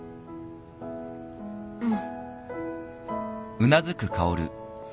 うん。